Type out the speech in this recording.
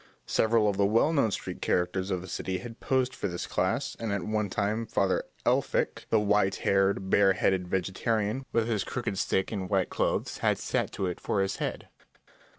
Several of the well known street characters of the city had posed for this class, and at one time Father Elphick, the white haired, bare headed vegetarian, with his crooked stick and white clothes, had sat to it for his head.